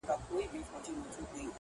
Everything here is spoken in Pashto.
• یا ړنده یم زما علاج دي نه دی کړی -